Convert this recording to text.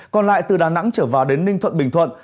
còn lại từ đà nẵng trở vào đến ninh thuận bình thuận